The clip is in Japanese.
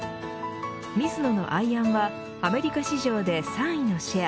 ミズノのアイアンはアメリカ市場で３位のシェア。